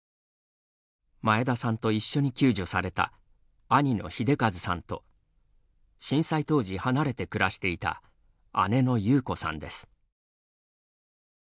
前田さんと一緒に救助された兄の秀和さんと震災当時、離れて暮らしていた姉の優子さんです。